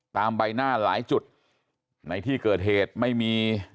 ใบหน้าหลายจุดในที่เกิดเหตุไม่มี